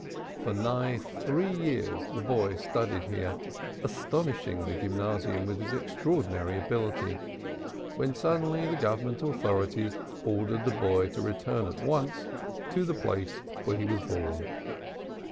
For nigh three years the boy studied here, astonishing the gymnasium with his extraordinary ability, when suddenly the Government authorities ordered the boy to return at once "to the place where he was born."